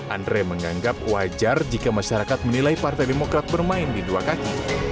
andre menganggap wajar jika masyarakat menilai partai demokrat bermain di dua kaki